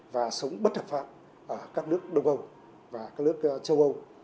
và sống bất hợp pháp ở các nước đông âu và các nước châu âu